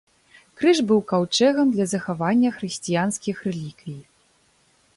Крыж быў каўчэгам для захавання хрысціянскіх рэліквій.